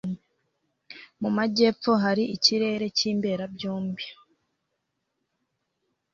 mu majyepfo hari ikirere cy'imberabyombi